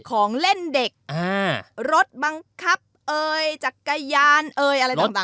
ของเล่นเด็กรถบังคับเอ่ยจักรยานเอ่ยอะไรต่าง